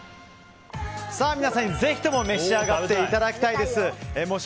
皆さんに、ぜひとも召し上がっていただきたいです。